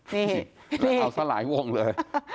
นี่เราเอาสลายวงเลย